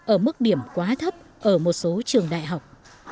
ở mức điểm quá thấp ở một số trường đại học